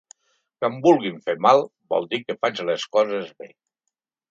Que em vulguin fer mal vol dir que faig les coses bé.